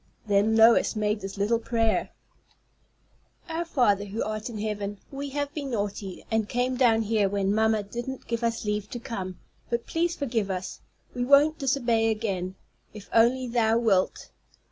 Then Lois made this little prayer: "Our Father who art in heaven. We have been naughty, and came down here when mamma didn't give us leave to come; but please forgive us. We won't disobey again, if only Thou wilt.